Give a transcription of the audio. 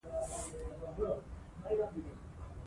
لمریز ځواک د افغان کلتور سره تړاو لري.